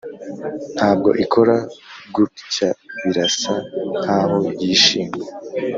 ntabwo ikora gutyabirasa nkaho yishimye.